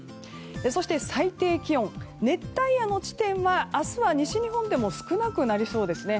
そして、最低気温熱帯夜の地点は明日は西日本でも少なくなりそうですね。